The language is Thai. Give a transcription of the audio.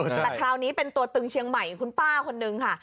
แต่คราวนี้เป็นตัวตึงเชียงใหม่คุณป้าคนนึงค่ะ